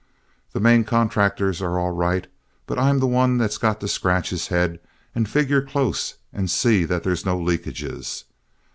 The main contractors are all right, but I'm the one that's got to scratch his head and figure close and see that there's no leakages.